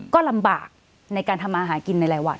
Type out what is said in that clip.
ก็ลำบากในการทำมาหากินในหลายวัน